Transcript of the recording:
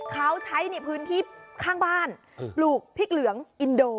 เขาใช้ในพื้นที่ข้างบ้านปลูกพริกเหลืองอินโด